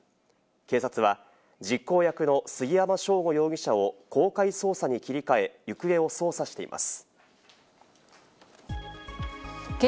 警察は実行役の杉山翔吾容疑者を公開捜査に切り替え行方を捜査しています。